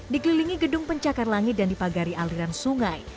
dikelilingi gedung pencakar langit dan dipagari aliran sungai